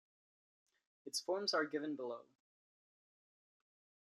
Its forms are given below.